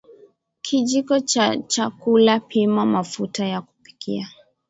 kijiko cha chakula pima mafuta ya kupikia